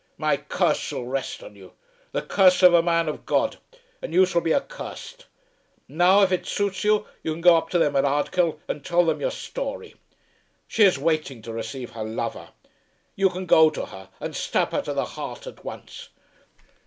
My curse shall rest on you, the curse of a man of God, and you shall be accursed. Now, if it suits you, you can go up to them at Ardkill and tell them your story. She is waiting to receive her lover. You can go to her, and stab her to the heart at once.